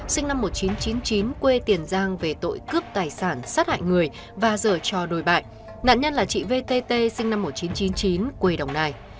sinh năm một nghìn chín trăm chín mươi chín quê tiền giang về tội cướp tài sản sát hại người và dở trò đồi bại nạn nhân là chị vtt sinh năm một nghìn chín trăm chín mươi chín quê đồng nai